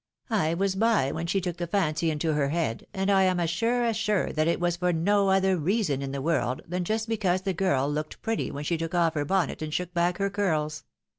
I was by when she took the fancy into her head, and I am as sure as sure that it was for no other reason in the world than just because the girl looked pretty when she took off her bonnet and shook back her curls.